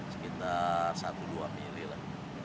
sekitar satu dua mili lah